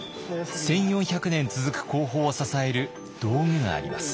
１，４００年続く工法を支える道具があります。